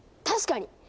確かに！